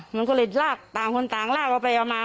มันก็เลยลากต่างคนต่างลากเอาไปเอามา